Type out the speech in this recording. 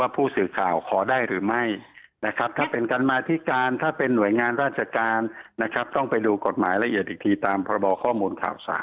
ไปขอเอกสารยืนยันได้ไหมคะ